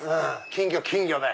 金魚金魚！で。